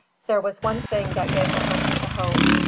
There was one thing that gave the hunters a hope.